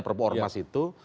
perpu ormas itu